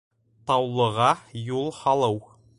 Таулыға юл һалыу...